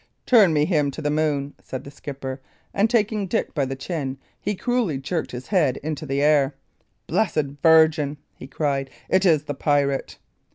"Turn me him to the moon," said the skipper; and taking Dick by the chin, he cruelly jerked his head into the air. "Blessed Virgin!" he cried, "it is the pirate!"